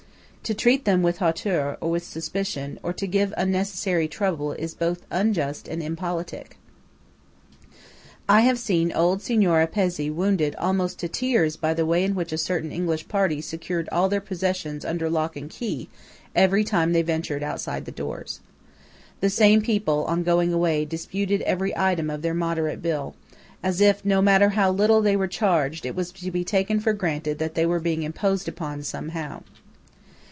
To treat them with hauteur, or with suspicion, or to give unnecessary trouble, is both unjust and impolitic. I have seen old Signora Pezzé wounded almost to tears by the way in which a certain English party secured all their possessions under lock and key every time they ventured outside the doors. The same people, on going away, disputed every item of their moderate bill, as if, no matter how little they were charged, it was to be taken for granted that they were being imposed upon somehow.